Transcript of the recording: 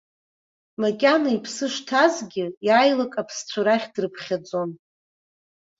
Макьана иԥсы шҭазгьы иааилак аԥсцәа рахь дрыԥхьаӡон.